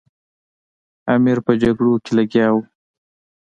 امیر په جګړو کې لګیا وو.